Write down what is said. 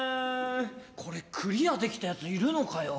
これクリアできたヤツいるのかよ？